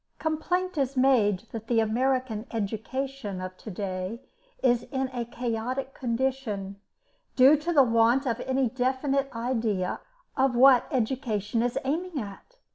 Complaint is made that the American education of to day is in a chaotic condition, due to the want of any definite idea of what education is aiming at.